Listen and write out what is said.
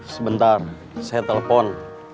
sebentar saya telepon